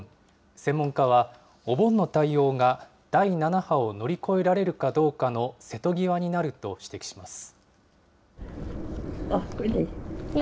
専門家は、お盆の対応が第７波を乗り越えられるかどうかの瀬戸際になると指摘します。